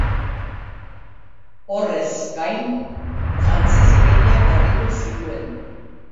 Horrez gain, jantzi zikinak garbitu zituen.